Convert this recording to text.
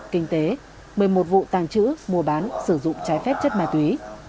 kinh tế một mươi một vụ tàng trữ mua bán sử dụng trái phép chất ma túy